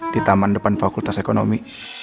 di taman depan fakultas ekonomi